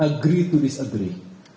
lebih baik bersepakat untuk menyesuaikan